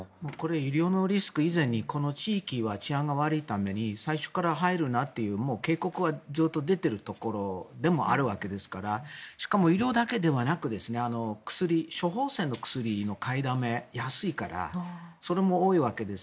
医療のリスク以前にこの地域は治安が悪いために最初から入るなという警告はずっと出ているところでもあるわけですからしかも、医療だけではなく処方せんの薬の買いだめ安いからそれも多いわけです。